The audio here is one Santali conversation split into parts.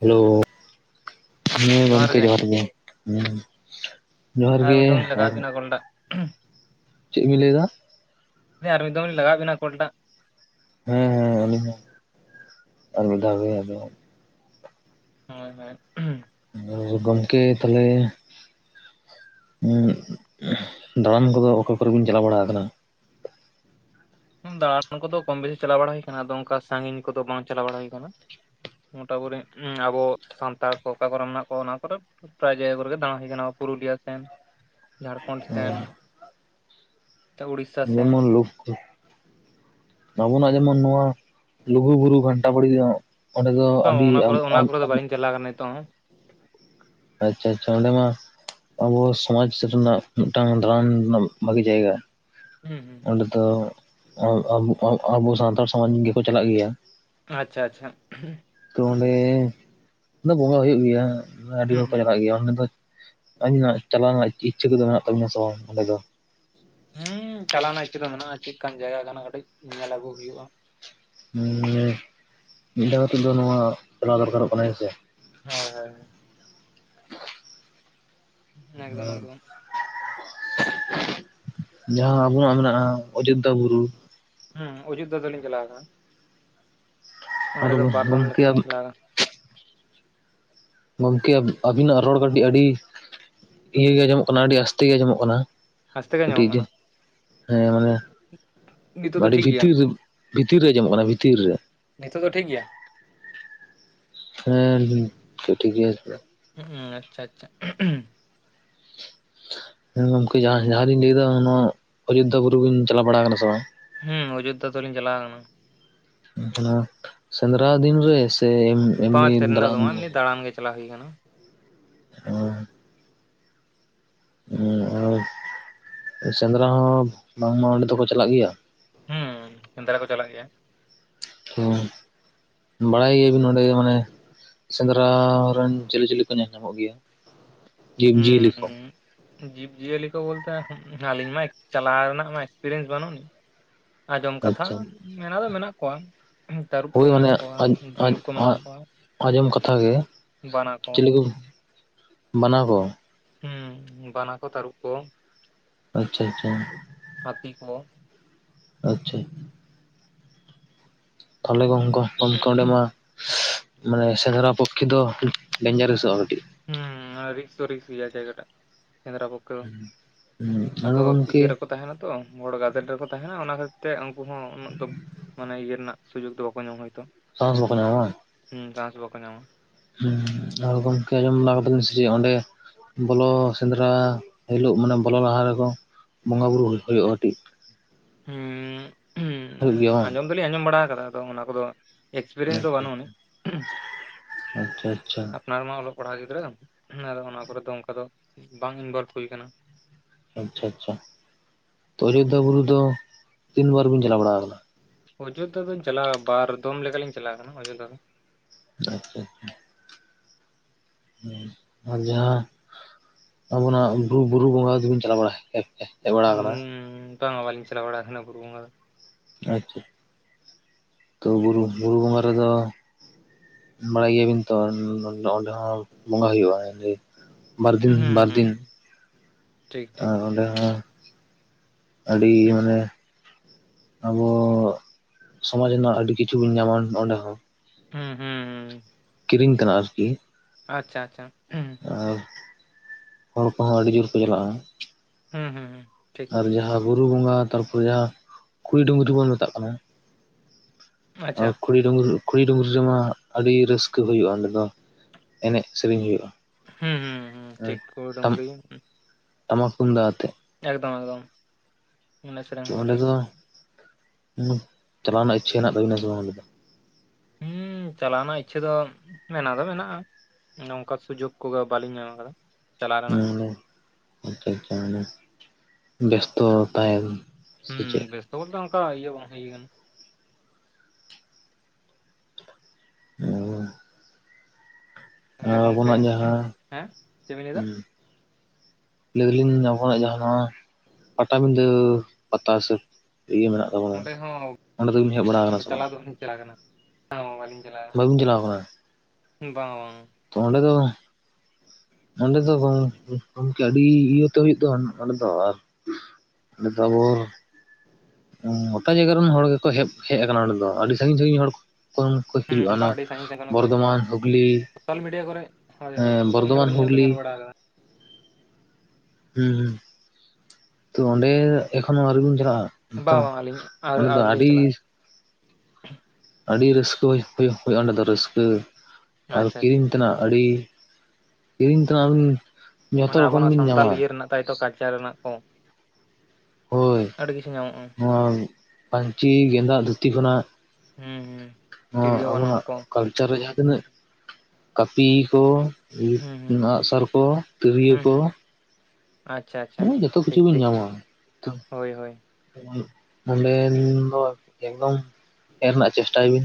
ᱦᱮᱞᱳ ᱦᱮᱸ ᱜᱚᱢᱠᱮ ᱡᱚᱦᱟᱨ ᱜᱮ ᱦᱚᱸ ᱡᱚᱦᱟᱨ ᱟᱨ ᱜᱮ ᱢᱤᱫ ᱫᱚᱢ ᱞᱤᱧ ᱟᱨ ᱞᱟᱜᱟᱣᱮᱫ ᱵᱤᱱᱟ ᱠᱚᱞᱴᱟᱜ ᱪᱮᱫ ᱵᱤᱱ ᱞᱟᱹᱭᱮᱫᱟ ᱦᱟᱱᱮ ᱟᱨ ᱢᱤᱫ ᱫᱚᱢ ᱞᱤᱧ ᱞᱟᱜᱟᱣᱟᱜ ᱵᱮᱱᱟ ᱠᱚᱞᱴᱟᱜ ᱦᱮᱸ ᱦᱮᱸ ᱟᱹᱞᱤᱧ ᱦᱚᱸ ᱟᱞᱵᱤᱫᱷᱟ ᱜᱮ ᱟᱫᱚ ᱦᱳᱭ ᱢᱟᱹᱭ ᱩᱸᱦᱩᱸ [inaudible] ᱚ ᱜᱚᱝᱠᱮ ᱛᱟᱞᱮ ᱩᱸ ᱫᱟᱬᱟᱱ ᱠᱚᱫᱚ ᱚᱠᱟ ᱠᱚᱨᱮ ᱵᱤᱱ ᱪᱟᱞᱟᱣ ᱵᱟᱲᱟ ᱟᱠᱟᱱᱟ ᱦᱮᱸ ᱫᱟᱬᱟᱱ ᱠᱚᱫᱚ ᱠᱚᱢ ᱵᱮᱥᱤ ᱪᱟᱞᱟᱣ ᱵᱟᱲᱟ ᱦᱩᱭ ᱟᱠᱟᱱᱟ ᱟᱫᱚ ᱚᱱᱠᱟ ᱥᱟᱺᱜᱤᱧ ᱠᱚᱫᱚ ᱵᱟᱝ ᱪᱟᱞᱟᱣ ᱵᱟᱲᱟ ᱦᱩᱭ ᱟᱠᱟᱱᱟ᱾ ᱢᱚᱴᱟ ᱢᱩᱴᱤ ᱟᱵᱚ ᱥᱟᱱᱛᱟᱲ ᱠᱚ ᱚᱠᱟ ᱠᱚᱨᱮ ᱢᱮᱱᱟᱜ ᱠᱚᱣᱟ ᱚᱱᱟ ᱠᱚᱨᱮ᱾ ᱯᱨᱟᱭ ᱡᱟᱭᱜᱟ ᱠᱚᱨᱮᱜᱮ ᱫᱟᱬᱟ ᱦᱩᱭ ᱠᱟᱱᱟ ᱯᱩᱨᱩᱞᱤᱭᱟ ᱥᱮᱱ ᱡᱷᱟᱲᱠᱷᱚᱱᱰ ᱥᱮᱱ ᱩᱲᱤᱥᱥᱟ ᱥᱮᱱ ᱡᱮᱢᱚᱱ ᱞᱩᱠ ᱟᱵᱚᱱᱟᱜ ᱡᱮᱢᱚᱱ ᱱᱚᱣᱟ ᱞᱩᱜᱩ ᱵᱩᱨᱩ ᱜᱷᱟᱱᱴᱟ ᱵᱟᱲᱮ ᱫᱚ ᱚᱸᱰᱮ ᱫᱚ ᱟᱹᱰᱤ ᱪᱟᱞᱟᱜ ᱠᱟᱱᱟ ᱱᱤᱛᱚᱜ ᱟᱪᱪᱷᱟ ᱟᱪᱪᱷᱟ ᱚᱸᱰᱮ ᱢᱟ ᱟᱵᱚ ᱥᱚᱢᱟᱡᱽ ᱨᱮᱱᱟᱜ ᱢᱤᱫᱴᱟᱝ ᱫᱟᱲᱟᱱ ᱨᱮᱱᱟᱜ ᱵᱷᱟᱜᱤ ᱡᱟᱭᱜᱟ ᱦᱩᱸ ᱦᱩᱸ ᱚᱸᱰᱮ ᱫᱚ ᱟᱵᱚ ᱥᱟᱱᱛᱟᱲ ᱥᱚᱢᱟᱡᱽ ᱜᱮᱠᱚ ᱪᱟᱞᱟᱜ ᱜᱮᱭᱟ᱾ ᱟᱪᱪᱷᱟ ᱟᱪᱪᱷᱟ ᱛᱚ ᱚᱸᱰᱮ ᱫᱚ ᱵᱚᱸᱜᱟ ᱦᱩᱭᱩᱜ ᱜᱮᱭᱟ ᱟᱹᱰᱤ ᱦᱩᱸ ᱦᱚᱲ ᱠᱚ ᱦᱩᱸ ᱪᱟᱞᱟᱜ ᱜᱮᱭᱟ ᱚᱸᱰᱮ ᱫᱚ ᱟᱹᱞᱤ ᱧᱟᱜ ᱪᱟᱞᱟᱣ ᱨᱮᱱᱟᱜ ᱤᱪᱪᱷᱟᱹ ᱠᱚᱫᱚ ᱢᱮᱱᱟᱜ ᱛᱟᱵᱤᱱᱟ ᱥᱮ ᱵᱟᱝ ᱚᱸᱰᱮ ᱫᱚ ᱦᱩᱸ ᱪᱟᱞᱟᱣ ᱱᱟ ᱤᱪᱟᱹ ᱫᱚ ᱢᱮᱱᱟᱜᱼᱟ ᱪᱮᱫᱠᱟᱱ ᱡᱟᱭᱜᱟ ᱠᱟᱱᱟ ᱠᱟᱹᱴᱤᱡ ᱧᱮᱞ ᱟᱹᱜᱩ ᱦᱩᱭᱩᱜᱼᱟ᱾ ᱢᱤᱫ ᱫᱷᱟᱣ ᱠᱟᱛᱮᱫ ᱫᱚ ᱱᱚᱣᱟ ᱪᱟᱞᱟᱣ ᱫᱚᱨᱠᱟᱨᱚᱜ ᱠᱟᱱᱟ ᱦᱮᱸᱥᱮ ᱦᱳᱭ ᱦᱳᱭ ᱦᱳᱭ ᱦ ᱮᱠᱫᱚᱢ ᱮᱠᱫᱚᱢ [inaudible] ᱡᱟᱦᱟᱸ ᱟᱵᱚᱱᱟᱜ ᱢᱮᱱᱟᱜᱼᱟ ᱚᱡᱳᱫᱽᱫᱷᱟ ᱵᱩᱨᱩ ᱦᱮᱸ ᱚᱡᱳᱫᱽᱫᱷᱟ ᱫᱚᱞᱤᱧ ᱪᱟᱞᱟᱣ ᱟᱠᱟᱱᱟ᱾ ᱟᱨ ᱚᱸᱰᱮ ᱫᱚ ᱵᱟᱨᱫᱚᱢ ᱜᱚᱢᱠᱮ ᱞᱮᱠᱟ ᱞᱤᱧ ᱪᱟᱞᱟᱜᱼᱟ᱾ ᱜᱚᱝᱠᱮ ᱟᱵᱤᱱᱟᱜ ᱨᱚᱲ ᱠᱟᱹᱴᱤᱡ ᱟᱹᱰᱤ ᱤᱭᱟᱹ ᱜᱮ ᱟᱸᱡᱚᱢᱚᱜ ᱠᱟᱱᱟ ᱟᱹᱰᱤ ᱟᱥᱛᱮ ᱜᱮ ᱟᱸᱡᱚᱢᱚᱜ ᱠᱟᱱᱟ᱾ ᱟᱥᱛᱮ ᱜᱮ ᱟᱸᱡᱚᱢᱚᱜ ᱠᱟᱹᱴᱤᱡ ᱠᱟᱱᱟ ᱦᱮᱸ ᱢᱟᱱᱮ ᱱᱤᱛᱚᱜ ᱫᱚ ᱟᱹᱰᱤ ᱴᱷᱤᱠ ᱜᱮᱭᱟ ᱵᱷᱤᱛᱤᱨ ᱨᱮ ᱵᱷᱤᱛᱤᱨ ᱨᱮ ᱟᱸᱡᱚᱢᱚᱜ ᱠᱟᱱᱟ ᱵᱷᱤᱛᱤᱨ ᱨᱮ ᱱᱤᱛᱚᱜ ᱫᱚ ᱴᱷᱤᱠ ᱜᱮᱭᱟ᱾ ᱦᱮᱸ ᱡᱟᱹᱱᱤᱜ ᱱᱤᱛᱚᱜ ᱴᱷᱤᱠ ᱜᱮ ᱦᱟᱹᱡᱩᱜᱼᱟ ᱚᱦᱚᱸ ᱟᱪᱪᱷᱟ ᱟᱪᱪᱷᱟ ᱦᱮᱸ ᱜᱚᱝᱠᱮ ᱡᱟᱦᱟᱸ ᱡᱟᱦᱟᱸᱛᱤᱧ ᱞᱟᱹᱭᱫᱟ ᱚᱱᱟ ᱚᱡᱳᱫᱽᱫᱷᱟ ᱵᱩᱨᱩ ᱜᱤᱧ ᱪᱟᱞᱟᱣ ᱵᱟᱲᱟ ᱠᱟᱱᱟ ᱥᱮ ᱵᱟᱝ ᱦᱮᱸ ᱚᱡᱳᱫᱽᱫᱷᱟ ᱫᱚᱞᱤᱧ ᱪᱟᱞᱟᱣ ᱟᱠᱟᱱᱟ ᱥᱮᱸᱫᱽᱨᱟ ᱫᱤᱱᱨᱮ ᱥᱮ ᱮᱢᱱᱤ ᱯᱟᱸᱪ ᱥᱮᱧ ᱫᱚ ᱫᱟᱬᱟᱱ ᱵᱟᱝ ᱫᱤᱱ ᱮᱢᱚᱱ ᱫᱟᱲᱟᱱ ᱜᱮ ᱪᱟᱞᱟᱣ ᱦᱩᱭ ᱟᱠᱟᱱᱟ᱾ ᱟᱨ [inaudible] ᱟᱨ ᱥᱮᱸᱫᱽᱨᱟ ᱦᱚᱸ ᱵᱟᱝᱢᱟ ᱚᱸᱰᱮ ᱫᱚᱠᱚ ᱪᱟᱞᱟᱜ ᱜᱮᱭᱟ᱾ ᱦᱩᱸ ᱥᱮᱸᱫᱽᱨᱟ ᱠᱚ ᱪᱟᱞᱟᱜ ᱜᱮᱭᱟ᱾ ᱦᱚ ᱵᱟᱲᱟᱭ ᱜᱮᱭᱟᱵᱤᱱ ᱱᱚᱸᱰᱮ ᱢᱟᱱᱮ ᱥᱮᱸᱫᱽᱨᱟ ᱨᱮᱱ ᱡᱮᱞᱮᱡᱤᱭᱟᱹᱞᱤ ᱠᱚ ᱧᱮᱞ ᱧᱟᱢᱚᱜ ᱜᱮᱭᱟ ᱡᱤᱵᱽ ᱡᱤᱭᱟᱹᱞᱤ ᱠᱚ ᱦᱩᱸ ᱡᱤᱵᱽ ᱡᱤᱭᱟᱹᱞᱤ ᱠᱚ ᱵᱚᱞᱛᱮ ᱟᱹᱞᱤᱧ ᱢᱟ ᱪᱟᱞᱟᱣ ᱨᱮᱱᱟᱜ ᱢᱟ ᱮᱠᱥᱯᱮᱨᱤᱭᱮᱱᱥ ᱵᱟᱹᱱᱩᱜᱼᱟ ᱟᱸᱡᱚᱢ ᱠᱟᱛᱷᱟ ᱟᱪᱪᱷᱟ ᱢᱮᱱᱟᱜ ᱫᱚ ᱢᱮᱱᱟᱜ ᱠᱚᱣᱟ᱾ ᱛᱟᱹᱨᱩᱵ ᱠᱚ ᱦᱳᱭ ᱢᱟᱱᱮ ᱢᱮᱱᱟᱜ ᱠᱚᱣᱟ ᱟᱡ ᱟᱡ ᱵᱷᱟᱹᱞᱩᱠ ᱠᱚ ᱢᱮᱱᱟᱜ ᱟᱡ ᱠᱚᱣᱟ ᱟᱸᱡᱚᱢ ᱠᱟᱛᱷᱟ ᱜᱮ ᱵᱟᱱᱟ ᱠᱚ ᱵᱟᱱᱟ ᱠᱚ ᱦᱸ ᱵᱟᱱᱟ ᱠᱚ ᱛᱟᱹᱨᱩᱵ ᱠᱚ ᱟᱪᱪᱷᱟ ᱟᱪᱪᱷᱟ ᱦᱛᱤᱤ ᱠᱚ ᱟᱪᱪᱷᱟ ᱛᱟᱦᱚᱞᱮ [unintelligible] ᱚᱸᱰᱮ ᱢᱟ ᱢᱟᱱᱮ ᱥᱮᱸᱫᱽᱨᱟ ᱯᱚᱠᱠᱷᱮ ᱫᱚ ᱰᱮᱧᱡᱟᱨᱮᱥᱚᱜᱼᱟ ᱠᱟᱹᱴᱤᱡ ᱦᱩᱸ ᱨᱤᱠᱥ ᱫᱚ ᱨᱥᱠᱥ ᱜᱮᱭᱟ ᱡᱟᱭᱜᱟᱴᱟ ᱥᱮᱸᱱᱫᱨᱟ ᱯᱚᱠ ᱦᱩᱸ ᱟᱫᱚ ᱜᱚᱢᱠᱮ ᱤᱭᱟᱹ ᱨᱮᱠᱚ ᱛᱟᱦᱮᱱᱟ ᱛᱚ ᱦᱚᱲ ᱜᱟᱫᱮᱞ ᱨᱮᱠᱚ ᱛᱟᱦᱮᱱᱟ ᱚᱱᱟ ᱠᱷᱟᱹᱛᱤᱨ ᱛᱮ ᱩᱱᱠᱩ ᱦᱚᱸ ᱩᱱᱟᱹᱜ ᱫᱚ ᱢᱟᱱᱮ ᱤᱭᱟᱹ ᱨᱮᱱᱟᱜ ᱥᱩᱡᱳᱜ ᱫᱚ ᱵᱟᱠᱚ ᱧᱟᱢᱟ ᱦᱚᱭᱛᱚ ᱥᱟᱦᱟᱥ ᱵᱟᱠᱩ ᱧᱟᱢᱟ ᱵᱟᱝ ᱦᱩᱸ [unintelligible] ᱧᱟᱢ ᱦᱸ ᱟᱨ ᱜᱚᱢᱠᱮ ᱟᱸᱡᱚᱢ ᱵᱟᱲᱟ ᱟᱠᱟᱫᱟᱞᱤᱧ ᱥᱮᱪᱤᱫ ᱚᱸᱰᱮ ᱵᱚᱞᱚ ᱥᱮᱸᱫᱽᱨᱟ ᱦᱤᱞᱳ ᱢᱟᱱᱮ ᱵᱚᱞᱚ ᱞᱟᱦᱟ ᱨᱮᱠᱚ ᱵᱚᱸᱜᱟ ᱵᱳᱩᱨᱩᱳ ᱦᱩᱭᱩᱜᱼᱟ ᱠᱟᱹᱴᱤᱡ ᱦᱸ ᱦᱩᱭᱩᱜ ᱜᱮᱭᱟ ᱵᱟᱝ ᱟᱸᱡᱚᱢ ᱫᱚᱞᱤᱧ ᱟᱸᱡᱚᱢ ᱵᱟᱲᱟ ᱟᱠᱟᱫᱟ ᱟᱫᱚ ᱚᱱᱟ ᱠᱚᱫᱚ ᱮᱠᱥᱯᱤᱨᱤᱭᱮᱱᱥ ᱫᱚ ᱟᱪᱪᱷᱟ ᱵᱟᱹᱱᱩᱜ [unintelligible] ᱟᱪᱪᱷᱟ ᱟᱪᱪᱷᱟ ᱚᱱᱟ ᱨᱮᱢᱟ ᱚᱞᱚᱜ ᱯᱟᱲᱦᱟᱜ ᱜᱤᱫᱽᱨᱟᱹ ᱟᱫᱚ ᱚᱱᱟ ᱠᱚᱨᱮᱫ ᱫᱚ ᱚᱱᱠᱟ ᱫᱚ ᱵᱟᱝ ᱤᱱᱵᱚᱞᱵᱷ ᱦᱩᱭ ᱟᱠᱟᱱᱟ ᱟᱪᱪᱷᱟ ᱟᱪᱪᱷᱟ ᱛᱚ ᱚᱡᱳᱫᱽᱫᱷᱟ ᱵᱩᱨᱩ ᱫᱚ ᱛᱤᱱ ᱵᱟᱨ ᱵᱤᱱ ᱪᱟᱞᱟᱣ ᱵᱟᱲᱟ ᱟᱠᱟᱱᱟ ᱚᱡᱳᱫᱽᱫᱷᱟ ᱫᱚᱧ ᱪᱟᱞᱟᱜᱼᱟ ᱵᱟᱨ ᱫᱚᱢ ᱞᱮᱠᱟ ᱞᱤᱧ ᱪᱟᱞᱟᱜ ᱠᱟᱱᱟ ᱚᱡᱳᱫᱽᱫᱷᱟ ᱫᱚ ᱟᱪᱪᱷᱟ ᱟᱪᱪᱷᱟ ᱦ ᱟᱨ ᱡᱟᱦᱟᱸ ᱟᱵᱚᱱᱟᱜ ᱵᱩᱨᱩ ᱵᱚᱸᱜᱟᱫᱤᱵᱚᱱ ᱪᱟᱞᱟᱣ ᱵᱟᱲᱟᱭ [unintelligible] ᱦᱮᱡ ᱵᱟᱲᱟ ᱟᱠᱟᱱᱟ ᱢᱤᱫ ᱫᱷᱟᱣ ᱦᱚᱸ ᱵᱟᱞᱤᱧ ᱪᱟᱞᱟᱭ ᱵᱟᱲᱟ ᱟᱠᱟᱱᱟ ᱵᱩᱨᱩ ᱵᱸᱜᱟ ᱫᱚ ᱟᱪᱪᱷᱟ ᱛᱚ ᱵᱩᱨᱩ ᱵᱩᱨᱩ ᱵᱚᱸᱜᱟ ᱨᱮᱫᱚ ᱵᱟᱲᱟᱭ ᱜᱮᱭᱟᱵᱤᱱ ᱛᱚ ᱚᱸᱰᱮ ᱦᱚᱸ ᱵᱚᱸᱜᱟ ᱦᱩᱭᱩᱜᱼᱟ ᱵᱟᱨ ᱫᱤᱱ ᱦᱩᱸ ᱵᱟᱨ ᱦᱩᱸ ᱫᱤᱱ ᱴᱷᱤᱠ ᱴᱷᱤᱠ ᱟᱨ ᱚᱸᱰᱮ ᱦᱚᱸ ᱟᱹᱰᱤ ᱢᱟᱱᱮ ᱟᱵᱚ ᱥᱚᱢᱟᱡᱽ ᱨᱮᱱᱟᱜ ᱟᱹᱰᱤ ᱠᱤᱪᱷᱩ ᱵᱚᱱ ᱧᱟᱢᱟ ᱚᱸᱰᱮ ᱦᱚᱸ ᱦᱩᱸ ᱦᱩᱸ ᱦᱩᱸ ᱠᱤᱨᱤᱧ ᱛᱟᱱᱟ ᱟᱨᱠᱤ ᱟᱪᱪᱷᱟ ᱟᱪᱪᱷᱟ ᱦᱩ ᱟᱨ ᱦᱚᱲ ᱠᱚᱦᱚᱸ ᱟᱹᱰᱤ ᱡᱳᱨ ᱠᱚ ᱪᱟᱞᱟᱜᱼᱟ ᱦᱩᱸ ᱦᱩᱸ ᱦᱩᱸ ᱟᱨ ᱡᱟᱦᱟᱸ ᱵᱩᱨᱩ ᱵᱚᱸᱜᱟ ᱛᱟᱨᱯᱚᱨᱮ ᱡᱟᱦᱟᱸ ᱠᱩᱲᱤ ᱰᱩᱝᱨᱤᱵᱚᱱ ᱢᱮᱛᱟᱜ ᱠᱟᱱᱟ᱾ ᱚ ᱟᱪᱪᱷᱟ ᱠᱷᱩᱲᱤ ᱰᱩᱝᱨᱤ ᱠᱷᱚᱲᱤ ᱰᱩᱝᱨᱤ ᱨᱮᱢᱟ ᱟᱹᱰᱤ ᱨᱟᱹᱥᱠᱟᱹ ᱦᱩᱭᱩᱜᱼᱟ ᱚᱸᱰᱮ ᱫᱚ ᱮᱱᱮᱡ ᱥᱮᱨᱮᱧ ᱦᱩᱭᱩᱜᱼᱟ ᱦᱩᱸ ᱦᱩᱸ ᱦᱩᱸ ᱴᱤᱠ ᱠᱷᱩᱲᱤ ᱴᱟᱢ ᱰᱩᱝᱨᱤ ᱴᱟᱢᱟᱠ ᱛᱩᱢᱫᱟ ᱟᱛᱮ ᱮᱠᱫᱚᱢ ᱮᱠᱫᱚᱢ ᱚᱱᱟ ᱥᱮᱨᱮᱧ ᱚ ᱦᱩᱭᱩᱜᱼᱟ ᱚᱸᱰᱮᱮᱫ ᱴᱷᱤᱠ ᱫᱚ ᱪᱟᱞᱟᱣ ᱨᱮᱱᱟᱜ ᱤᱪᱪᱷᱟᱹ ᱦᱮᱱᱟᱜ ᱛᱟᱵᱤᱱᱟ ᱥᱮ ᱵᱟᱝ ᱚᱸᱰᱮ ᱫᱚ ᱦᱮᱸ ᱪᱟᱞᱟᱣ ᱨᱮᱱᱟᱜ ᱤᱪᱪᱷᱟᱹ ᱫᱚ ᱢᱮᱱᱟᱜ ᱫᱚ ᱢᱮᱱᱟᱜᱼᱟ ᱱᱚᱝᱠᱟ ᱥᱩᱡᱳᱜᱽ ᱠᱚᱜᱮ ᱵᱟᱹᱞᱤᱧ ᱧᱟᱢ ᱟᱠᱟᱫᱟ ᱪᱟᱞᱟᱣ ᱨᱮᱱᱟᱜ ᱚ ᱟᱪᱪᱷᱟ ᱟᱪᱪᱷᱟ ᱢᱟᱱᱮ ᱵᱮᱥᱛᱚ ᱛᱟᱭ ᱦᱩᱸ ᱵᱮᱥᱛᱚ ᱵᱚᱞᱛᱮ ᱚᱱᱠᱟ ᱤᱭᱟᱹ ᱵᱟᱝ ᱦᱩᱜᱠᱟᱱᱟ [unintelligible] ᱛᱟᱦᱚᱞᱮ ᱜᱚᱝᱠᱮ ᱟᱵᱚᱱᱟᱜ ᱡᱟᱦᱟᱸ ᱦᱮᱸ ᱪᱮᱫ ᱵᱮᱤᱱ ᱞᱟᱹᱭᱫᱟ? ᱞᱟᱹᱭᱞᱤᱧ ᱟᱵᱚᱣᱟᱜ ᱡᱟᱦᱟᱸ ᱱᱚᱣᱟ ᱯᱟᱴᱟᱵᱤᱫᱟᱹ ᱯᱟᱛᱟ ᱥᱮ ᱤᱭᱟᱹ ᱢᱮᱱᱟᱜ ᱛᱟᱯᱚᱱᱟ ᱚᱸᱰᱮ ᱫᱚᱵᱤᱱ ᱦᱮᱡ ᱵᱟᱲᱟ ᱠᱟᱱᱟ ᱥᱮ ᱵᱟᱝ ᱵᱟᱞᱤᱧ ᱪᱟᱞᱟᱜ ᱠᱟᱱᱟ [unintelligible] ᱪᱟᱞᱟᱣ ᱠᱟᱱᱟ ᱵᱟᱹᱵᱤᱱ ᱪᱟᱞᱟᱣ ᱟᱠᱟᱱᱟ ᱵᱟᱝᱟ ᱵᱟᱝ ᱛᱚ ᱚᱰᱮ ᱫᱚ ᱚᱸᱰᱮ ᱫᱚᱠ ᱜᱚᱝᱠᱮ ᱟᱹᱰᱤ ᱤᱭᱟᱹᱛᱮ ᱦᱩᱭᱩᱜ ᱫᱚ ᱱᱚᱸᱰᱮ ᱫᱚ ᱟᱨ ᱱᱮᱛᱚᱜ ᱟᱵᱚᱨ ᱜᱚᱴᱟ ᱡᱟᱭᱜᱟ ᱨᱮᱱ ᱦᱚᱲ ᱜᱮᱠᱚ ᱦᱮᱵ ᱦᱮᱡ ᱟᱠᱟᱱᱟ ᱱᱚᱸᱰᱮ ᱫᱚ ᱟᱹᱰᱤ ᱥᱟᱺᱜᱤᱧ ᱥᱟᱹᱜᱤᱧ ᱦᱚᱲ ᱠᱚ ᱯᱩᱱ ᱠᱚ ᱦᱩᱸ ᱦᱩᱭᱩᱜᱼᱟ ᱚᱱᱟ ᱵᱟᱝ ᱟᱹᱰᱤ ᱥᱟᱺᱜᱤᱧ ᱥᱟᱺᱜᱤᱧ ᱠᱷᱚᱱ ᱠᱚ ᱦᱤᱡᱩᱜᱼᱟ ᱵᱚᱨᱫᱷᱚᱢᱟᱱ ᱦᱩᱜᱽᱞᱤ ᱥᱳᱥᱟᱞ ᱢᱤᱰᱤᱭᱟ ᱠᱚᱨᱮ ᱦᱳᱭ ᱦᱳᱭ ᱦᱮᱸ ᱥᱳᱥᱟᱞ ᱢᱤᱰᱤᱭᱟ ᱵᱚᱨᱫᱷᱚᱢᱟᱱ ᱠᱚᱨᱮ ᱧᱮᱞ ᱫᱚ ᱦᱩᱜᱽᱞᱤ ᱧᱮᱞ ᱵᱟᱲᱟ ᱟᱠᱟᱫᱟ ᱦᱩᱸ ᱛᱚ ᱚᱸᱰᱮ ᱮᱠᱷᱚᱱᱳ ᱟᱹᱣᱨᱤ ᱵᱤᱱ ᱪᱟᱞᱟᱜᱼᱟ ᱛᱚ ᱵᱟᱝ ᱵᱟᱝ ᱟᱹᱞᱤᱧ ᱟᱹᱣᱨᱤ ᱚᱸᱰᱮ ᱫᱚ ᱟᱹᱣᱨᱤ ᱞᱤᱧ ᱪᱟᱞᱟᱜᱼᱟ ᱟᱹᱰᱤᱨ ᱟᱹᱰᱤ ᱨᱟᱹᱥᱠᱟᱹᱭ ᱦᱩᱭ ᱦᱩᱭᱩᱜᱼᱟ ᱚᱸᱰᱮ ᱫᱚ ᱨᱟᱹᱥᱠᱟᱹ ᱟᱨ ᱟᱪᱪᱷᱟ ᱟᱪᱪᱷᱟ ᱠᱤᱨᱤᱧ ᱛᱮᱱᱟᱜ ᱟᱹᱰᱤ ᱠᱤᱨᱤᱧ ᱛᱮᱱᱟᱜᱤᱱ ᱢᱟᱱᱮ ᱟᱵᱚᱱᱟᱜ ᱥᱟᱱᱛᱟᱞ ᱤᱭᱟᱹ ᱨᱮᱱᱟᱜ ᱛᱟᱭᱛᱚ ᱠᱟᱞᱪᱟᱨ ᱨᱮᱱᱟᱜ ᱠᱚ ᱦᱳᱭ ᱟᱹᱰᱤ ᱠᱤᱪᱷᱩ ᱧᱟᱢᱚᱜᱼᱟ ᱱᱚᱣᱟ ᱯᱟᱹᱧᱪᱤ ᱜᱮᱸᱫᱟᱜ ᱫᱷᱩᱛᱤ ᱠᱷᱚᱱᱟᱜ ᱦᱩᱸ ᱦᱩᱸ ᱱᱚᱣᱟ ᱛᱤᱨᱭᱳ ᱵᱟᱱᱟᱢ ᱟᱵᱚᱱᱟᱜ ᱠᱚ ᱠᱟᱞᱪᱟᱨ ᱨᱮ ᱡᱟᱦᱟᱸ ᱛᱤᱱᱟᱹᱜ ᱠᱟᱹᱯᱤ ᱠᱚ ᱦᱩᱸ ᱦᱩᱸ ᱟᱸᱜᱥᱟᱨ ᱠᱚ ᱛᱤᱨᱭᱳ ᱠᱚ ᱟᱪᱷᱟ ᱟᱪᱷᱟ ᱡᱚᱛᱚ ᱠᱤᱪᱷᱩ ᱵᱤᱱ ᱧᱟᱢᱟᱼᱟ ᱦᱳᱭ ᱦᱳᱭ ᱱᱚᱰᱮᱱ ᱫᱚ ᱮᱠᱫᱚᱢ ᱦᱮᱡ ᱨᱮᱱᱟᱜ ᱪᱮᱥᱴᱟᱭ ᱵᱤᱱ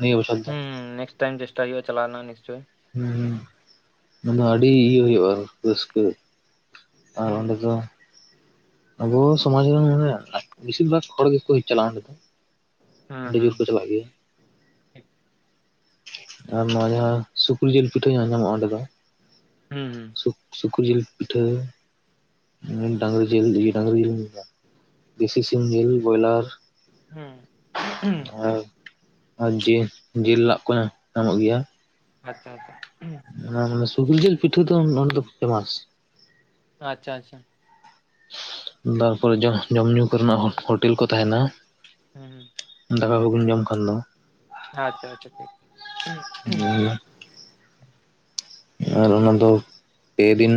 ᱱᱤᱭᱟᱹ ᱵᱚᱪᱷᱚᱨ ᱫᱚ ᱦᱩᱸ ᱱᱮᱠᱥᱴ ᱴᱟᱭᱤᱢ ᱪᱮᱥᱴᱟᱭ ᱦᱩᱭᱩᱜᱼᱟ ᱪᱟᱞᱱᱟ ᱱᱤᱥᱪᱚᱭ ᱦᱮᱸ ᱚᱱᱟ ᱫᱚ ᱟᱹᱰᱤ ᱤᱭᱟᱹ ᱦᱩᱭᱩᱜᱼᱟ ᱨᱟᱹᱥᱠᱟᱹ ᱟᱨ ᱚᱸᱰᱮ ᱦᱩᱸ ᱫᱚ ᱟᱵᱚ ᱥᱚᱢᱟᱡ ᱨᱮᱱ ᱢᱟᱱᱮ ᱵᱮᱥᱤᱨ ᱵᱷᱟᱜᱽ ᱦᱚᱲ ᱜᱮᱠᱚ ᱪᱟᱞᱟᱜᱼᱟ ᱚᱸᱰᱮ ᱫᱚ ᱦᱩᱸ ᱟᱹᱰᱤ ᱡᱳᱨ ᱠᱚ ᱦᱩᱸ ᱪᱟᱞᱟᱜ ᱜᱮᱭᱟ ᱟᱨ ᱱᱚᱶᱟ ᱡᱟᱦᱟᱸ ᱥᱩᱠᱨᱤ ᱡᱤᱞ ᱯᱤᱴᱷᱟᱹ ᱧᱟᱢᱚᱜᱼᱟ ᱚᱸᱰᱮ ᱫᱚ ᱦᱩᱸ ᱦᱩᱸ ᱥᱩᱠ ᱥᱩᱠᱨᱤ ᱡᱤᱞ ᱯᱤᱴᱷᱟᱹ ᱰᱟᱝᱨᱤ ᱡᱮᱞ ᱤᱭᱟᱹ ᱰᱟᱝᱨᱤ ᱡᱤᱞ ᱫᱮᱥᱤ ᱥᱤᱢ ᱡᱤᱞ ᱵᱚᱭᱞᱟᱨ ᱦᱩᱸ ᱟᱨ ᱟᱨ ᱡᱤᱞ ᱡᱤᱞ ᱞᱟᱜ ᱠᱚ ᱧᱟᱢᱚᱜ ᱜᱮᱭᱟ ᱟᱪᱪᱷᱟ ᱟᱪᱪᱷᱟ ᱚᱱᱟ ᱢᱟᱱᱮ ᱥᱩᱠᱨᱤ ᱡᱤᱞ ᱯᱤᱴᱷᱟᱹ ᱫᱚ ᱚᱰᱮ ᱫᱚ ᱯᱷᱮᱢᱟᱥ ᱟᱪᱪᱷᱟ ᱟᱪᱪᱷᱟ ᱛᱟᱨᱯᱚᱨᱮ ᱡᱚ ᱡᱚᱢ ᱧᱩ ᱠᱚᱨᱮᱱᱟᱜ ᱦᱳᱴᱮᱞ ᱠᱚ ᱛᱟᱦᱮᱱᱟ ᱦᱩᱸ ᱦᱩᱸ ᱟᱠᱟ ᱠᱚᱵᱤᱱ ᱡᱟᱢ ᱠᱷᱟᱱ ᱫᱚ ᱟᱪᱪᱷᱟ ᱟᱪᱪᱷᱟ ᱴᱷᱤᱠ ᱦᱩᱸ ᱦ [unintelligible] ᱟᱨ ᱚᱱᱟᱫᱚ ᱯᱮᱫᱤᱱ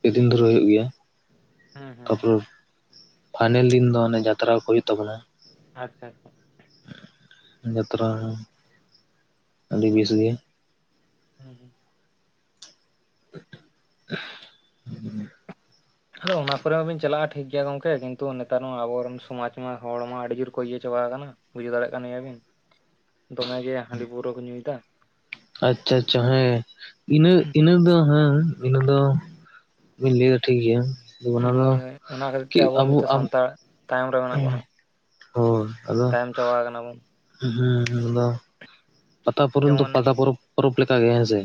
ᱯᱮᱫᱤᱱ ᱫᱷᱚᱨᱮ ᱦᱩᱭᱩᱜ ᱜᱮᱭᱟ ᱦᱩᱸ ᱛᱟᱯᱚᱨ ᱯᱷᱟᱭᱱᱮᱞ ᱫᱤᱱ ᱫᱚ ᱚᱱᱮ ᱡᱟᱛᱨᱟ ᱠᱚ ᱦᱩᱭᱩᱜ ᱛᱟᱵᱚᱱᱟ ᱟᱪᱪᱷᱟ ᱟᱪᱪᱷᱟ ᱡᱟᱛᱨᱟ ᱦᱚᱸ ᱟᱹᱰᱤ ᱵᱮᱥ ᱜᱮ ᱦᱩᱸ ᱦᱩᱸ ᱦᱸ [unintelligible] ᱟᱫᱚ ᱚᱱᱟ ᱠᱚᱨᱮ ᱢᱟᱵᱤᱱ ᱪᱟᱞᱟᱜᱼᱟ ᱴᱷᱤᱠ ᱜᱮᱭᱟ ᱜᱚᱝᱠᱮ ᱠᱤᱱᱛᱩ ᱱᱮᱛᱟᱨ ᱢᱟ ᱟᱵᱚᱨᱮᱱ ᱥᱚᱢᱟᱡ ᱢᱟ ᱦᱚᱲ ᱢᱟ ᱟᱹᱰᱤ ᱡᱳᱨ ᱠᱚ ᱤᱭᱟᱹ ᱪᱟᱵᱟ ᱠᱟᱱᱟ ᱵᱩᱡᱷᱟᱹᱣ ᱫᱟᱲᱮᱭᱟᱜ ᱠᱟᱱ ᱜᱮᱭᱟᱵᱤᱱ ᱫᱚᱢᱮᱜ ᱜᱮ ᱦᱟᱺᱰᱤ ᱯᱟᱹᱣᱨᱟᱹ ᱠᱚ ᱧᱩᱭᱮᱫᱟ ᱟᱪᱪᱷᱟ ᱟᱪᱪᱷᱟ ᱦᱮᱸ ᱤᱱᱟᱹ ᱤᱱᱟᱹ ᱫᱚ ᱦᱮᱸ ᱤᱱᱟᱹ ᱫᱚ ᱵᱤᱱ ᱞᱟᱹᱭᱟ ᱴᱷᱤᱠ ᱜᱮᱭᱟ ᱟᱫᱚ ᱚᱱᱟ ᱫᱚ ᱦᱳᱭ ᱦᱳᱭ ᱚᱱᱟ ᱠᱷᱟᱹᱛᱤᱨ ᱛᱮ ᱠᱤ ᱟᱵᱚ ᱱᱤᱛᱚᱜ ᱟᱵ ᱥᱟᱱᱛᱟᱲ ᱛᱟᱭᱚᱢ ᱨᱮ ᱢᱮᱱᱟᱜ ᱵᱚᱱᱟ ᱛᱟᱭᱚᱢ ᱪᱟᱵᱟᱣ ᱠᱟᱱᱟ ᱵᱚᱱ ᱦᱩᱸᱸ [unintelligible] ᱯᱟᱛᱟ ᱯᱚᱨᱚᱱ ᱫᱚ ᱡᱮᱢᱚᱱ ᱯᱟᱛᱟ ᱯᱚᱨᱚᱵᱽ ᱯᱚᱨᱚᱵᱽ ᱞᱮ ᱞᱮᱠᱟᱜᱮ ᱦᱮᱸᱥᱮ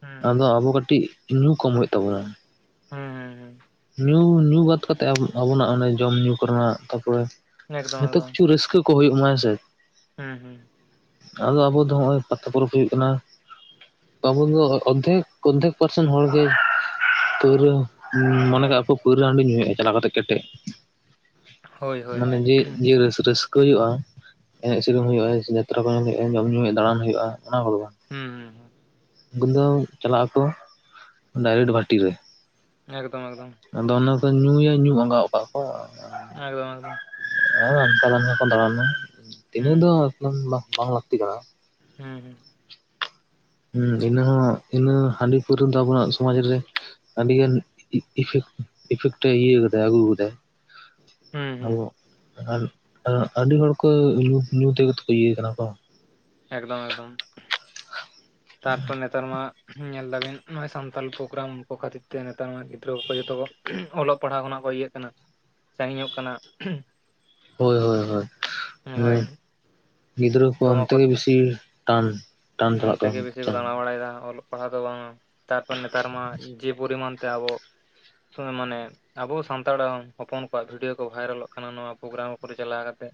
ᱦᱩᱸ ᱟᱫᱚ ᱦᱩᱸ ᱟᱵᱚ ᱠᱟᱹᱴᱤᱡ ᱧᱩ ᱠᱚᱢ ᱦᱩᱭᱩᱜ ᱛᱟᱵᱚᱱᱟ ᱦᱮᱸ ᱦᱮᱸ ᱦᱮᱸ ᱧᱩ ᱧᱩ ᱵᱟᱫ ᱠᱟᱛᱮ ᱟᱵᱚ ᱟᱵᱚᱱᱟᱜ ᱚᱱᱮ ᱡᱚᱢ ᱧᱩ ᱠᱚᱨᱮᱱᱟᱜ ᱛᱟᱨᱯᱚᱨᱮ ᱦᱩᱸ ᱮᱠᱫᱚᱢ ᱡᱚᱛᱚ ᱮᱠᱫᱚᱢ ᱠᱤᱪᱷᱩ ᱨᱟᱹᱥᱠᱟᱹ ᱠᱚ ᱦᱩᱭᱩᱜ ᱢᱟ ᱦᱮᱸᱥᱮ ᱦᱩᱸ ᱦᱩᱸ ᱟᱫᱚ ᱟᱵᱚ ᱫᱚ ᱱᱚᱜᱼᱚᱭ ᱯᱟᱛᱟ ᱯᱚᱨᱚᱵᱽ ᱦᱩᱭᱩᱜ ᱠᱟᱱᱟ ᱟᱵᱚ ᱫᱚ ᱚᱫᱫᱷᱮᱠ ᱚᱫᱫᱷᱮᱠ ᱯᱟᱨᱥᱮᱱᱴ ᱦᱚᱲ ᱜᱮ ᱯᱟᱹᱣᱨᱟᱹ ᱢᱚᱱᱮ ᱠᱟᱜᱼᱟ ᱯᱮ ᱯᱟᱹᱣᱨᱟᱹ ᱦᱟᱺᱰᱤ ᱧᱩᱭᱮᱫᱼᱟ ᱪᱟᱞᱟᱣ ᱠᱟᱛᱮᱫ ᱠᱮᱴᱮᱡ ᱦᱳᱭ ᱦᱳᱭ ᱢᱟᱱᱮ ᱦᱮᱸ ᱡᱮ ᱡᱮ ᱨᱟᱹᱥ ᱨᱟᱹᱥᱠᱟᱹ ᱦᱩᱭᱩᱜᱼᱟ ᱮᱱᱮᱡ ᱥᱮᱨᱮᱧ ᱦᱩᱭᱩᱜᱼᱟ ᱡᱟᱛᱨᱟ [unintelligible] ᱡᱚᱢ ᱧᱩ ᱦᱩᱭᱩᱜᱼᱟ ᱫᱟᱬᱟᱱ ᱦᱩᱭᱩᱜᱼᱟ ᱚᱱᱟ ᱠᱚᱫᱚ ᱵᱟᱝ ᱦᱩᱸ ᱦᱩᱸ ᱩᱱ ᱫᱚ ᱪᱟᱞᱟᱜ ᱟᱠᱚ ᱰᱟᱭᱨᱮᱠᱴ ᱵᱷᱟᱴᱤ ᱨᱮ ᱮᱠᱫᱚᱢ ᱮᱠᱫᱚᱢ ᱟᱫᱚ ᱚᱱᱟ ᱠᱚ ᱧᱩᱭᱟ ᱧᱩ ᱟᱸᱜᱟᱜᱚᱫ ᱠᱟᱜᱼᱟ ᱠᱚ ᱟᱜᱫᱚᱢ ᱮᱜᱫᱚᱢ ᱟᱱᱠᱟ ᱫᱟᱱᱠᱟ ᱠᱚ ᱫᱟᱬᱟᱱᱟ ᱛᱤᱱᱟᱹᱜ ᱫᱚ ᱦᱩᱸ ᱮᱠᱫᱚᱢ ᱫᱚ ᱵᱟᱝ ᱞᱟᱹᱠᱛᱤ ᱠᱟᱱᱟ ᱦᱩᱸ ᱦᱩᱸ ᱦᱩᱸ ᱤᱱᱟᱹᱦ ᱤᱱᱟᱹ ᱦᱟᱺᱰᱤ ᱯᱟᱹᱣᱨᱣ ᱫᱚ ᱟᱵᱚᱱᱟᱜ ᱥᱚᱢᱟᱡ ᱨᱮ ᱟᱹᱰᱤᱜᱟᱱ ᱤᱯᱷᱮᱴ ᱤᱯᱷᱮᱠᱴ ᱤᱭᱟᱹ ᱠᱟᱫᱟᱭ ᱟᱹᱜᱩ ᱟᱠᱟᱫᱟᱭ ᱦᱩᱸ ᱦᱩᱸ [unintelligible] [unintelligible] ᱟᱨ ᱟᱹᱰᱤ ᱦᱚᱲ ᱠᱚ ᱧᱩ ᱧᱩ ᱛᱮᱜᱮ ᱠᱚ ᱤᱭᱟᱹ ᱠᱟᱱᱟ ᱠᱟᱝ ᱮᱠᱫᱚᱢ ᱮᱠᱫᱚᱢ ᱛᱟᱨᱯᱚᱨ ᱱᱮᱛᱟᱨ ᱢᱟ ᱧᱮᱞ ᱫᱟᱵᱤᱱ ᱱᱚᱜᱼᱚᱭ ᱥᱟᱱᱛᱟᱞ ᱯᱨᱳᱜᱨᱟᱢ ᱠᱚ ᱠᱷᱟᱹᱛᱤᱨ ᱛᱮ ᱱᱮᱛᱟᱨ ᱢᱟ ᱜᱤᱫᱽᱨᱟᱹ ᱠᱚ ᱡᱚᱛᱚ ᱠᱚ ᱚᱞᱚᱜ ᱯᱟᱲᱦᱟᱣ ᱠᱷᱚᱱᱟᱜ ᱠᱚ ᱤᱭᱟᱹᱜ ᱠᱟᱱᱟ ᱥᱟᱸᱜᱤᱧᱚᱜ ᱠᱟᱱᱟ ᱦᱚᱭ ᱦᱚᱭ ᱦᱚᱭ ᱢᱟᱱᱮ ᱦᱳᱭ ᱜᱤᱫᱽᱨᱟᱹ ᱠᱚ ᱚᱱᱛᱮᱜᱮ ᱵᱮᱥᱤ ᱴᱟᱱ ᱴᱟᱱ ᱪᱟᱞᱟᱜ ᱚᱱᱛᱮᱜᱮ ᱠᱟᱱ ᱵᱮᱥᱤ ᱠᱚ ᱴᱟᱱ ᱫᱟᱬᱟ ᱵᱟᱲᱟᱭᱮᱫᱟ ᱚᱞᱚᱜ ᱯᱟᱲᱦᱟᱣ ᱫᱚ ᱵᱟᱝ ᱛᱟᱨᱯᱚᱨ ᱱᱮᱛᱟᱨ ᱢᱟ ᱡᱮ ᱯᱚᱨᱤᱢᱟᱱ ᱛᱮ ᱟᱵᱚ ᱢᱟᱱᱮ ᱟᱵᱚ ᱥᱟᱱᱛᱟᱲᱟᱜ ᱦᱚᱯᱚᱱ ᱠᱚᱣᱟᱜ ᱵᱷᱤᱰᱭᱳ ᱠᱚ ᱵᱷᱟᱭᱨᱟᱞᱚᱜ ᱠᱟᱱᱟ ᱱᱚᱣᱟ ᱯᱳᱜᱨᱟᱢ ᱠᱚᱨᱮ ᱪᱟᱞᱟᱣ ᱠᱟᱛᱮᱫ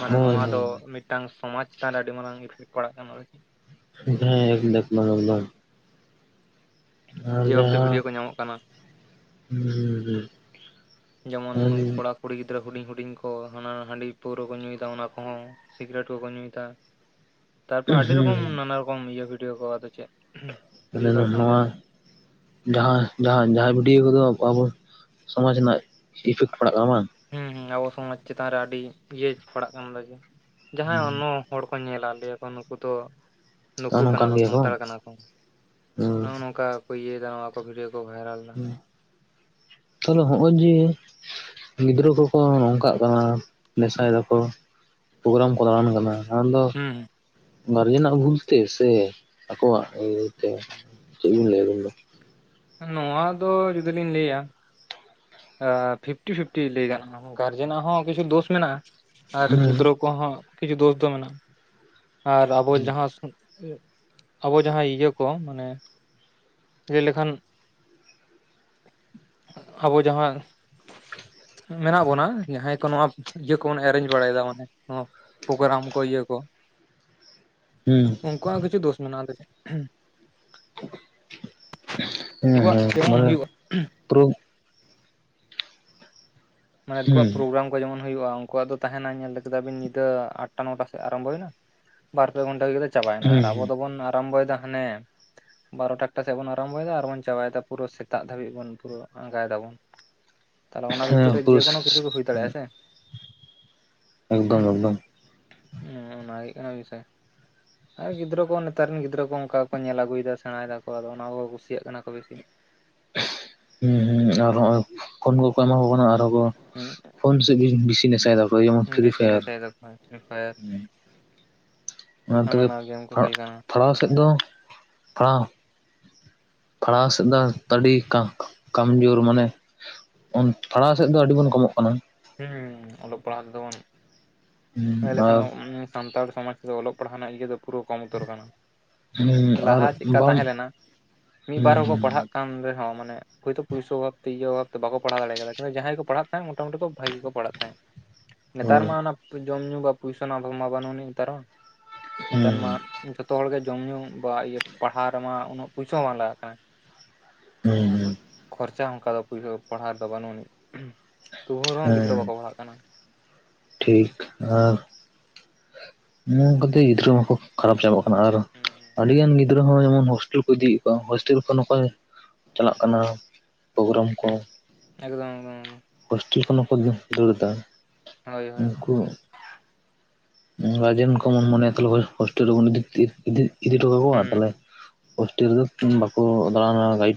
ᱢᱟᱱᱮ ᱦᱳᱭ ᱱᱚᱣᱟ ᱫᱚ ᱦᱳᱭ ᱢᱤᱫᱴᱟᱝ ᱥᱚᱢᱟᱡᱽ ᱪᱮᱛᱟᱱ ᱨᱮ ᱟᱹᱰᱤ ᱢᱟᱨᱟᱝ ᱤᱯᱷᱮᱠᱴ ᱯᱟᱲᱟᱜ ᱠᱟᱱᱟ [unintelligible] ᱟᱨ ᱡᱮ ᱵᱷᱟᱵᱛᱮ ᱵᱷᱤᱰᱭᱳ ᱡᱟᱦᱟᱸ ᱠᱚ ᱧᱟᱢᱚᱜ ᱠᱟᱱᱟ [unintelligible] ᱡᱮᱢᱚᱱ ᱠᱚᱲᱟ ᱠᱩᱲᱤ ᱜᱤᱫᱽᱨᱟᱹ ᱦᱩᱰᱤᱧ ᱦᱩᱰᱤᱧ ᱠᱚ ᱦᱟᱱᱟ ᱦᱟᱺᱰᱤ ᱯᱟᱹᱣᱨᱟᱹ ᱠᱚ ᱧᱩᱭᱮᱫᱟ ᱚᱱᱟ ᱠᱚᱦᱚᱸ ᱥᱤᱜᱨᱮᱴ ᱠᱚᱠᱚ ᱧᱩᱭᱮᱫᱟ ᱛᱟᱨᱯᱚᱨ ᱟᱹᱰᱤ ᱨᱚᱠᱚᱢ ᱦᱩᱸ ᱱᱟᱱᱟ ᱨᱚᱠᱚᱢ ᱤᱭᱟᱹ ᱵᱷᱤᱰᱭᱳ ᱠᱚ ᱟᱫᱚ ᱪᱮᱫ ᱢᱟᱱᱮ ᱵᱩᱡᱷᱟᱹᱣ ᱱᱚ ᱫᱟᱲᱮᱭᱟᱜ ᱠᱟᱱ ᱱᱚᱣᱟ ᱜᱮᱭᱟᱵᱤᱱ ᱡᱟᱦᱟᱸ ᱡᱟᱦᱟᱸ ᱵᱷᱤᱰᱭᱳ ᱠᱚᱫᱚ ᱟᱵᱚ ᱥᱚᱢᱟᱡᱽ ᱨᱮᱱᱟᱜ ᱤᱯᱷᱮᱠᱴ ᱯᱟᱲᱟᱜ ᱠᱟᱱᱟ ᱵᱟᱝ ᱦᱩᱸ ᱦᱩᱸ ᱟᱵᱚ ᱥᱚᱢᱟᱡᱽ ᱪᱮᱛᱟᱱ ᱨᱮ ᱟᱹᱰᱤ ᱤᱭᱟᱹ ᱯᱟᱲᱟᱜ ᱠᱟᱱᱟ ᱡᱮ ᱡᱟᱦᱟᱸ ᱚᱱᱱᱚ ᱦᱚᱲ ᱠᱚ ᱧᱮᱞᱟ ᱞᱟᱹᱭᱟᱠᱚ ᱱᱩᱠᱩ ᱫᱚ ᱱᱩᱠᱩ ᱱᱚᱜᱼᱚ ᱠᱟᱱᱟ ᱱᱚᱝᱠᱟᱱ ᱠᱚ ᱜᱮᱭᱟ ᱥᱟᱱᱛᱟᱲ ᱵᱟᱝ ᱠᱟᱱᱟ ᱠᱚ ᱱᱚᱜᱼᱚᱭ ᱱᱚᱝᱠᱟ ᱠᱚ ᱤᱭᱟᱹᱭᱮᱫᱟ ᱱᱚᱣᱟ ᱠᱚ ᱵᱷᱤᱰᱭᱳ ᱠᱚ ᱵᱷᱟᱭᱨᱟᱞ ᱦᱩᱸ [inaudible] ᱛᱟᱦᱚᱞᱮ ᱦᱚᱜᱼᱚᱭ ᱡᱮ ᱜᱤᱫᱽᱨᱟᱹ ᱠᱚᱠᱚ ᱱᱚᱝᱠᱟᱜ ᱠᱟᱱᱟ ᱱᱮᱥᱟᱭ ᱫᱟᱠᱚ ᱯᱨᱳᱜᱨᱟᱢ ᱠᱚ ᱫᱟᱬᱟᱱ ᱠᱟᱱᱟ ᱟᱸᱫᱚ ᱦᱩᱸ ᱜᱟᱨᱡᱮᱱᱟᱜ ᱵᱷᱩᱞ ᱛᱮ ᱥᱮ ᱟᱠᱚᱣᱟᱜ ᱤᱭᱟᱹ ᱛᱮ ᱪᱮᱫ ᱵᱤᱱ ᱞᱟᱹᱭᱟ ᱟᱵᱮᱱ ᱫᱚ ᱱᱚᱣᱟ ᱫᱚ ᱡᱩᱫᱤ ᱞᱤᱧ ᱞᱟᱹᱭᱟ ᱯᱷᱤᱯᱴᱤ ᱯᱷᱤᱯᱴᱤ ᱞᱟᱹᱭ ᱜᱟᱱᱚᱜᱼᱟ ᱜᱟᱨᱡᱮᱱᱟᱜ ᱦᱚᱸ ᱠᱤᱪᱷᱩ ᱫᱳᱥ ᱢᱮᱱᱟᱜᱼᱟ ᱟᱨ ᱦᱩᱸ ᱜᱤᱫᱽᱨᱟᱹ ᱠᱚᱦᱚᱸ ᱠᱤᱪᱷᱩ ᱫᱳᱥ ᱫᱚ ᱢᱮᱱᱟᱜᱼᱟ ᱟᱨ ᱟᱵᱚ ᱡᱟᱦᱟᱸ ᱟᱵᱚ ᱡᱟᱦᱟᱸ ᱤᱭᱟᱹ ᱠᱚ ᱢᱟᱱᱮ ᱞᱟᱹᱭ ᱞᱮᱠᱷᱟᱱ ᱟᱵᱚ ᱡᱟᱦᱟᱸ ᱢᱮᱱᱟᱜ ᱵᱚᱱᱟ ᱡᱟᱦᱟᱸᱭ ᱠᱚ ᱱᱚᱣᱟ ᱤᱭᱟᱹ ᱠᱚᱵᱚᱱ ᱮᱨᱮᱧᱡᱽ ᱵᱟᱲᱟᱭ ᱮᱫᱟ ᱢᱟᱱᱮ ᱯᱨᱳᱜᱨᱟᱢ ᱠᱚ ᱤᱭᱟᱹ ᱠᱚ᱾ ᱦᱩᱸ ᱩᱱᱠᱩᱣᱟᱜ ᱦᱚᱸ ᱠᱤᱪᱷᱩ ᱫᱚᱥ ᱢᱮᱱᱟᱜᱼᱟ ᱯᱟᱪᱮᱫ᱾ ᱩᱱᱠᱩᱣᱟᱜ ᱦᱮᱸ ᱡᱮᱢᱚᱱ ᱢᱟᱱᱮ ᱦᱩᱭᱩᱜᱼᱟ, [unintelligible] ᱢᱟᱱᱮ ᱦᱩᱸ ᱩᱱᱩᱠᱩᱣᱟᱜ ᱯᱨᱳᱜᱨᱟᱢ ᱠᱚ ᱡᱮᱢᱚᱱ ᱦᱩᱭᱩᱜᱼᱟ ᱩᱱᱠᱩᱣᱟᱜ ᱫᱚ ᱛᱟᱦᱮᱸᱱᱟ ᱧᱮᱞ ᱠᱮᱫᱟ ᱵᱤᱱ ᱧᱤᱫᱟᱹ ᱟᱴᱴᱟ ᱱᱚᱴᱟ ᱥᱮᱫ ᱟᱨᱟᱢᱵᱷᱚ ᱦᱩᱭ ᱮᱱᱟ᱾ ᱵᱟᱨ ᱯᱮ ᱜᱷᱚᱱᱴᱟ ᱛᱮ ᱪᱟᱵᱟᱭᱱᱟ ᱟᱨ ᱦᱩᱸ ᱟᱵᱚ ᱫᱚᱵᱚᱱ ᱟᱨᱟᱢᱵᱚᱭᱮᱫᱟ ᱦᱟᱱᱮ ᱵᱟᱨᱚ ᱴᱟ ᱮᱠᱴᱟ ᱥᱮᱫ ᱵᱚᱱ ᱟᱨᱟᱢᱵᱚᱭᱮᱫᱟ ᱟᱨᱵᱚᱱ ᱪᱟᱵᱟᱭᱮᱫᱟ ᱯᱩᱨᱟᱹ ᱥᱮᱛᱟᱜ ᱫᱷᱟᱹᱵᱤᱡ ᱵᱚᱱ ᱯᱩᱨᱟᱹ ᱟᱸᱜᱟᱭ ᱫᱟᱵᱚᱱ᱾ ᱛᱟᱦᱚᱞᱮ ᱚᱱᱟ ᱵᱷᱤᱛᱤᱨ ᱦᱮᱸ ᱨᱮ ᱡᱮ ᱯᱩᱨᱟᱹ ᱠᱳᱱᱳ ᱠᱤᱪᱷᱩ ᱜᱮ ᱦᱩᱭ ᱫᱟᱲᱮᱭᱟᱜᱼᱟ ᱥᱮ? ᱮᱠᱫᱚᱢ ᱮᱠᱫᱚᱢ ᱦᱩᱸ ᱚᱱᱟ ᱦᱩᱭᱩᱜ ᱠᱟᱱᱟ ᱵᱤᱥᱚᱭ᱾ ᱟᱨ ᱜᱤᱫᱽᱨᱟᱹ ᱠᱚ ᱱᱮᱛᱟᱨ ᱨᱮᱱ ᱜᱤᱫᱽᱨᱟᱹ ᱠᱚ ᱚᱱᱠᱟ ᱠᱚ ᱧᱮᱞ ᱟᱹᱜᱩᱭᱮᱫᱟ ᱥᱮᱬᱟᱭ ᱫᱟᱠᱚ ᱟᱫᱚ ᱚᱱᱟ ᱠᱚ ᱠᱩᱥᱤᱭᱟᱜ ᱠᱟᱱᱟ ᱠᱚ ᱵᱤᱥᱤ᱾ ᱦᱩᱸ ᱦᱩᱸ ᱟᱨ ᱦᱚᱸᱜᱼᱚᱭ ᱯᱷᱳᱱ ᱠᱚᱠᱚ ᱮᱢᱟ ᱠᱚ ᱠᱟᱱᱟ ᱟᱨᱦᱚᱸ ᱠᱚ ᱯᱷᱳᱱ ᱥᱮᱫ ᱜᱮ ᱵᱤᱥᱤ ᱱᱮᱥᱟᱭ ᱫᱟᱠᱚ ᱡᱮᱢᱚᱱ ᱦᱩᱸ ᱯᱷᱨᱤ ᱵᱮᱥᱤ ᱯᱷᱟᱭᱟᱨ, ᱱᱮᱥᱟᱭ ᱫᱟᱠᱚ ᱯᱷᱨᱤ ᱯᱷᱟᱭᱟᱨ ᱚᱱᱟ ᱦᱟᱱᱟ ᱛᱮᱜᱮ ᱱᱟᱣᱟ ᱜᱮᱢ ᱠᱚ ᱯᱷᱟ ᱠᱷᱮᱞ ᱠᱟᱱᱟ ᱯᱷᱟᱲᱟᱣ ᱥᱮᱫ ᱫᱚ ᱯᱟᱲᱦᱟᱣ ᱯᱟᱲᱦᱟᱣ ᱥᱮᱫ ᱫᱚ ᱟᱹᱰᱤ ᱠᱟ ᱠᱟᱢᱡᱳᱨ ᱢᱟᱱᱮ ᱯᱷᱟᱲᱟᱣ ᱥᱮᱫ ᱫᱚ ᱟᱹᱰᱤ ᱵᱚᱱ ᱠᱚᱢᱚᱜ ᱠᱟᱱᱟ᱾ ᱦᱩᱸ ᱚᱞᱚᱜ ᱯᱟᱲᱦᱟᱣ ᱛᱮ ᱫᱚ ᱵᱚᱱ ᱞᱟᱹᱭ ᱞᱮᱠᱷᱟᱱ ᱥᱟᱱᱛᱟᱲ ᱥᱚᱢᱟᱡᱽ ᱨᱮᱫᱚ ᱚᱞᱚᱜ ᱯᱟᱲᱦᱟᱣ ᱨᱮᱱᱟᱜ ᱤᱭᱟᱹ ᱫᱚ ᱯᱩᱨᱟᱹ ᱠᱚᱢ ᱩᱛᱟᱹᱨ ᱠᱟᱱᱟ, ᱟᱨ ᱟᱨ ᱞᱟᱦᱟ ᱪᱮᱫ ᱞᱮᱠᱟ ᱵᱟᱢ ᱛᱟᱦᱮᱸ ᱞᱮᱱᱟ ᱢᱤᱫ ᱦᱩᱸ ᱵᱟᱨ ᱦᱚᱸᱠᱚ ᱦᱩᱸ ᱯᱟᱲᱦᱟᱜ ᱟᱱ ᱨᱮ ᱦᱚᱸ ᱢᱟᱱᱮ, ᱦᱳᱭᱳᱛᱳ ᱯᱩᱭᱥᱟᱹ ᱚᱵᱷᱟᱵᱽ ᱛᱮ ᱤᱭᱟᱹ ᱚᱵᱷᱟᱵᱽ ᱛᱮ ᱵᱟᱠᱚ ᱯᱟᱲᱦᱟᱣ ᱫᱟᱲᱮ ᱠᱟᱣᱫᱟ ᱠᱤᱱᱛᱩ ᱡᱟᱦᱟᱸᱭ ᱠᱚ ᱯᱟᱲᱦᱟᱜ ᱛᱟᱦᱮᱸᱫ ᱢᱴᱟ ᱢᱩᱴᱤ ᱠᱚ ᱵᱷᱟᱜᱤ ᱠᱚ ᱯᱟᱲᱦᱟᱜ ᱛᱟᱦᱮᱸᱫ᱾ ᱱᱮᱛᱟᱨ ᱦᱳᱭ ᱢᱟ ᱚᱱᱟ ᱡᱚᱢ ᱧᱩ ᱵᱟ ᱯᱩᱭᱥᱟ ᱢᱟ ᱵᱟᱹᱱᱩᱜ ᱟᱱᱤᱡ ᱱᱮᱛᱟᱨ ᱦᱚᱸ ᱱᱮᱛᱟᱨ ᱦᱩᱸ ᱢᱟ, ᱡᱷᱚᱛᱚ ᱦᱚᱲ ᱜᱮ ᱡᱚᱢ ᱧᱩ ᱵᱟ ᱯᱟᱲᱦᱟᱣ ᱨᱮᱢᱟ ᱩᱱᱟᱹᱜ ᱯᱩᱭᱥᱟᱹ ᱢᱟ ᱵᱟᱝ ᱞᱟᱜᱟᱜ ᱠᱟᱱᱟ᱾ ᱦᱩᱸ ᱦᱩᱸ ᱠᱷᱚᱨᱪᱟ ᱚᱱᱠᱟ ᱫᱚ ᱯᱟᱹ ᱯᱟᱲᱦᱟᱣ ᱨᱮᱫᱚ ᱵᱟᱹᱱᱩᱜ ᱟᱹᱱᱤᱡ, ᱛᱩᱵᱩ ᱨᱮᱦᱚᱸ ᱦᱮᱸ ᱜᱤᱫᱽᱨᱟᱹ ᱵᱟᱠᱚ ᱯᱟᱲᱦᱟᱜ ᱠᱟᱱᱟ᱾ ᱴᱷᱤᱠ ᱟᱨ ᱱᱚᱝᱠᱟᱛᱮ ᱜᱤᱫᱽᱨᱟᱹ ᱢᱟᱠᱚ ᱠᱷᱟᱨᱟᱯ ᱪᱟᱵᱟᱜ ᱠᱟᱱᱟ ᱟᱨ ᱦᱩᱸ ᱦᱩᱸ ᱟᱹᱰᱤ ᱜᱟᱱ ᱜᱤ ᱫᱽᱨᱟᱹ ᱦᱚᱸ ᱡᱮᱢᱚᱱ ᱦᱳᱥᱴᱮᱞ ᱠᱚ ᱤᱫᱤᱭᱮᱫ ᱠᱚᱣᱟ ᱦᱳᱥᱴᱮᱞ ᱠᱷᱚᱱ ᱦᱚᱸ ᱠᱚ ᱪᱟᱞᱟᱜ ᱠᱟᱱᱟ, ᱯᱨᱳᱜᱨᱟᱢ ᱠᱚ ᱦᱩᱸ ᱮᱠᱫᱚᱢ ᱮᱠᱫᱚᱢ ᱦᱳᱥᱴᱮᱞ ᱠᱷᱚᱱ ᱦᱚᱸ ᱠᱚ ᱫᱟᱹᱲ ᱫᱟ᱾ ᱦᱳᱭ ᱦᱳᱭ ᱩᱱᱠᱩ ᱜᱟᱨᱡᱮᱱ ᱠᱚᱵᱚᱱ ᱢᱚᱱᱮᱭᱟ ᱦᱳᱥᱴᱮᱞ ᱨᱮᱵᱚᱱ ᱤᱫᱤ ᱤᱫᱤ ᱤᱫᱤ ᱦᱚᱴᱚ ᱠᱟ ᱠᱚᱣᱟ ᱦᱩᱸ ᱛᱟᱦᱞᱮ, ᱦᱳᱥᱴᱮᱞ ᱨᱮᱫᱚ ᱵᱟᱠᱚ ᱫᱟᱲᱟᱱᱟ ᱜᱟᱭᱤᱰ